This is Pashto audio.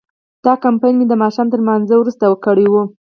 دا کمپاین مې د ماښام تر لمانځه وروسته کړی و.